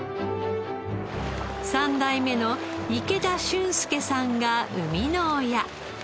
３代目の池田駿介さんが生みの親。